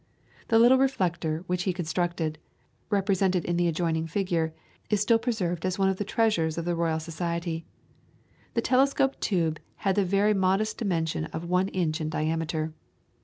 The little reflector which he constructed, represented in the adjoining figure, is still preserved as one of the treasures of the Royal Society. The telescope tube had the very modest dimension of one inch in diameter.